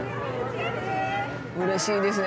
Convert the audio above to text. うれしいですね